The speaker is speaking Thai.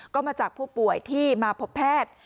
ก็มาจากผู้ป่วยที่มาพบแพทย์